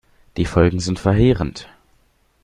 Die Folgen sind verheerend.